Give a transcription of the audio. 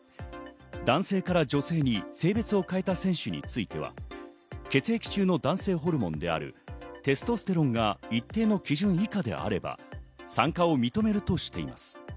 男性から女性に性別を変えた選手については、血液中の男性ホルモンであるテストステロンが一定の基準以下であれば参加を認めるとしています。